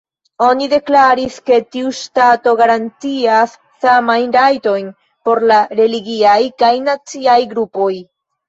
Oni deklaris, ke tiu ŝtato garantias samajn rajtojn por la religiaj kaj naciaj grupoj.